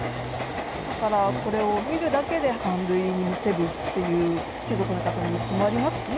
だからこれを見るだけで感涙にむせぶっていう貴族の方の日記もありますしね。